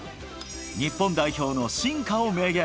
日本代表の進化を明言。